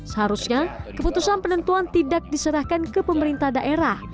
seharusnya keputusan penentuan tidak diserahkan ke pemerintah daerah